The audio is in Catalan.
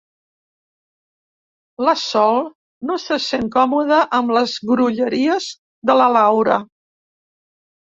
La Sol no se sent còmoda amb les grolleries de la Laura.